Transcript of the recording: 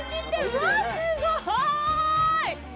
うわ、すごい！